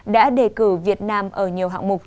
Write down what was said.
đã đề cử việt nam ở nhiều hạng mục